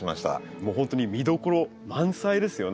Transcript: もうほんとに見どころ満載ですよね。